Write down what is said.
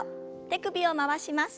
手首を回します。